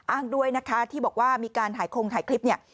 อ้างด้วยนะคะที่บอกว่ามีการถ่ายคงถ่ายคลิปเนี่ย